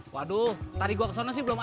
waduh tadi gue kesana sih belum ada mos